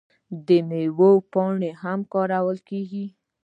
د میوو پاڼې هم کارول کیږي.